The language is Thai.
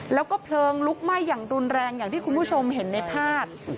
แล้วก็เพลิงลุกไหม้อย่างรุนแรงอย่างที่คุณผู้ชมเห็นในภาพ